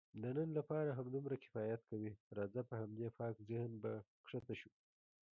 د نن لپاره همدومره کفایت کوي، راځه په همدې پاک ذهن به کښته شو.